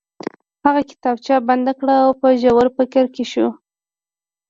هغه کتابچه بنده کړه او په ژور فکر کې شو